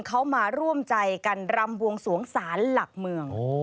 เขามาร่วมใจกันรำบวงสวงศาลหลักเมือง